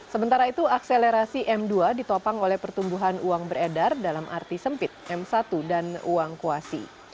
sementara itu akselerasi m dua ditopang oleh pertumbuhan uang beredar dalam arti sempit m satu dan uang kuasi